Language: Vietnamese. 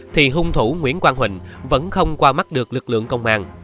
thì hung thủ nguyễn quang huỳnh vẫn không qua mắt được lực lượng công an